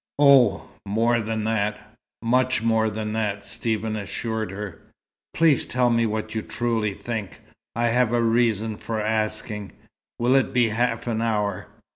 "Oh, more than that. Much more than that," Stephen assured her. "Please tell me what you truly think. I have a reason for asking. Will it be half an hour?"